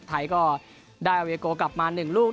ไทยก็ได้อาเวโกกลับมา๑ลูก